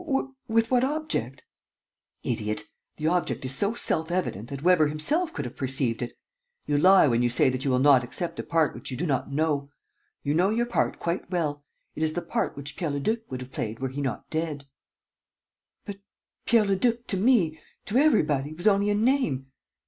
With what object?" "Idiot! The object is so self evident that Weber himself could have perceived it. You lie when you say that you will not accept a part which you do not know. You know your part quite well. It is the part which Pierre Leduc would have played were he not dead." "But Pierre Leduc, to me, to everybody, was only a name.